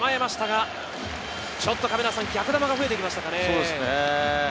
ちょっと逆球が増えてきましたかね。